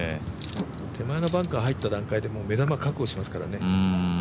手前のバンカー入った段階で目玉確保しますからね。